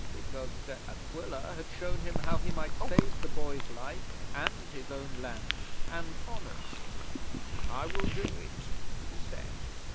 Because De Aquila had shown him how he might save the boy's life and his own lands and honours. "I will do it," he said.